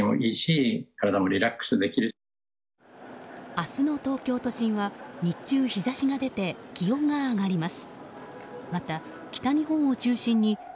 明日の東京都心は日中、日差しが出て気温が上がります。